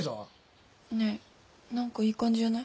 ねえ何かいい感じじゃない？